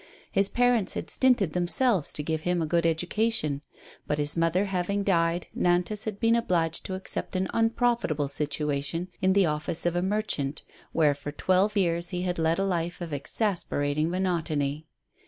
His parents had stinted themselves to give him a good education ; but, his mother having died, Nantas had been obliged to accept an unprofitable situation in the office of a merchant, where for twelve years he had led a life of exasperating monotony.